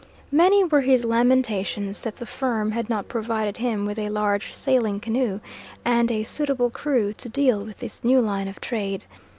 Many were his lamentations that the firm had not provided him with a large sailing canoe and a suitable crew to deal with this new line of trade.